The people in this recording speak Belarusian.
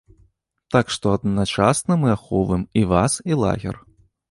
Так што адначасна мы ахоўваем і вас і лагер.